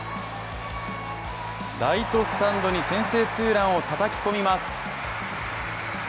ライトスタンドに先制ツーランをたたき込みます。